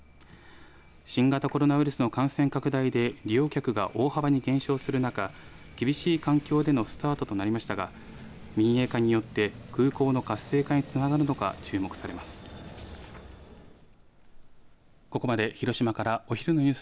新型コロナウイルスの感染拡大で利用客が大幅に減少する中厳しい環境でのスタートとなりましたが民営化によって空港の活性化につながるのか注目されます。